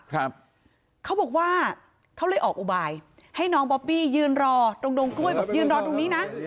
เขาบอกว่าเขาเลยออกอุบายให้น้องบอบบี้ยืนรอตรงดงกล้วยบอกยืนรอตรงนี้นะ